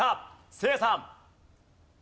せいやさん！